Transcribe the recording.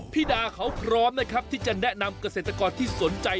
พี่ดาเขาพร้อมนะครับที่จะแนะนำเกษตรกรที่สนใจ